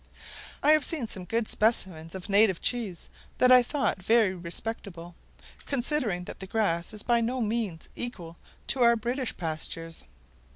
I have seen some good specimens of native cheese, that I thought very respectable, considering that the grass is by no means equal to our British pastures.